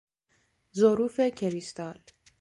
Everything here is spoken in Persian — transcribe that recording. ظروف کریستال